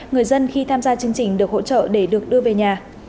người dân khi tham gia chương trình được hỗ trợ để được đưa về nhà